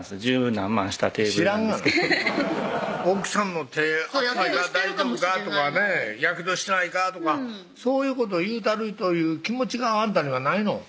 何万したテーブルなんですけど知らんがな奥さんの手「大丈夫か？」とかね「やけどしてないか？」とかそういうこと言うたるという気持ちがあんたにはないの？